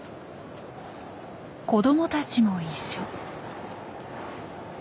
子どもたちも一緒。